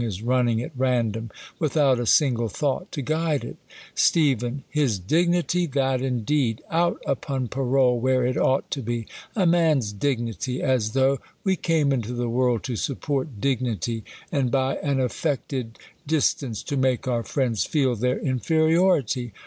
s running at random, without a single nought to guide it ? Steph, His dignity ! that indeed ! Out upon parole, here it ought to be. A man's dignity ! as though ■,' ran'c imo tlie.'^'orld to support dignity, and by an affected THlE COLUMBIAN' ORATOR. 259 affected distance, to make our friends feel their inferi ority.